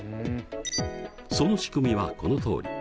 その仕組みはこのとおり。